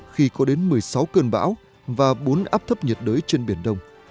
khi có đến một mươi sáu cơn bão và bốn áp thấp nhiệt đới trên biển đông